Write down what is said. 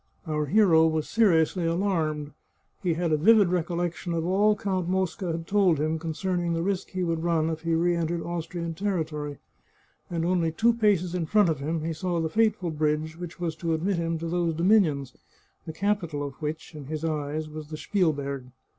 Our hero was seriously alarmed; he had a vivid recollection of all Count Mosca had told him concerning the risk he would run if he re entered Austrian territory, and only two paces in front of him he saw the fateful bridge which was to admit him to those dominions, the capital of which, in his eyes, was the Spielberg.